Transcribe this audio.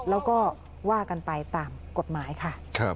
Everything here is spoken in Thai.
แล้วก็ว่ากันไปตามกฎหมายค่ะ